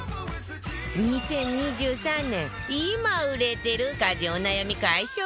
２０２３年今売れてる家事お悩み解消グッズ